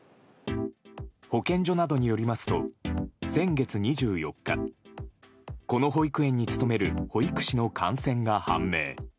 保健所などによりますと先月２４日この保育園に勤める保育士の感染が判明。